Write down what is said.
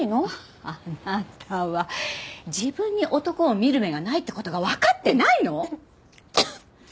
あなたは自分に男を見る目がないって事がわかってないの！？